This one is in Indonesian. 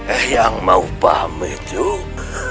eh yang mau pamit juk